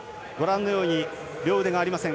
両腕がありません。